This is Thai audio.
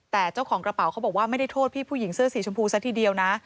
แต่เจ้าของกระเป๋าเขาบอกว่าไม่ได้โทษพี่ผู้หญิงเสื้อสีชมพูซะทีเดียวนะ